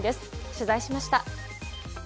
取材しました。